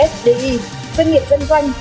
fdi doanh nghiệp dân doanh